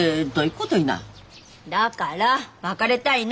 だから別れたいの。